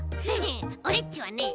オレっちはね